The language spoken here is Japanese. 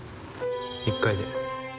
１回で。